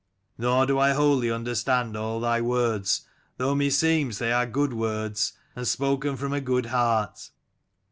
Nor do I wholly understand all thy words, though meseems they are good words, and spoken from a good heart.